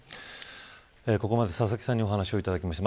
ここまで佐々木さんにお話を伺いました。